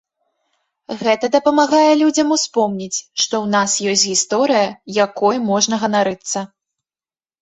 Гэта дапамагае людзям успомніць, што ў нас ёсць гісторыя, якой можна ганарыцца.